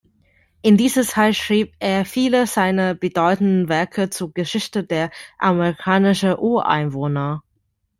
In dieser Zeit schrieb er viele seiner bedeutenden Werke zur Geschichte der amerikanischen Ureinwohner.